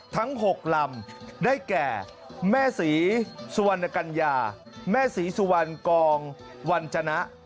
ทั้ง๖ลำได้แก่แม่ศรีสุวรรณกัญญาแม่ศรีสุวรรณกองวัญจนะ